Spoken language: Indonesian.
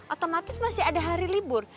otomatis masih ada hari libur